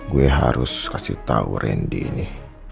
gue harus kasih tahu randy ini